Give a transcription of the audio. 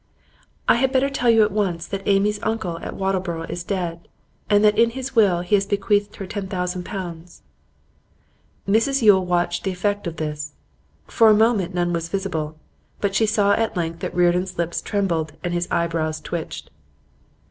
'I had better tell you at once that Amy's uncle at Wattleborough is dead, and that in his will he has bequeathed her ten thousand pounds.' Mrs Yule watched the effect of this. For a moment none was visible, but she saw at length that Reardon's lips trembled and his eyebrows twitched.